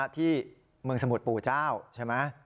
ที่เมืองสมุทรปู่เจ้าใช่ไหม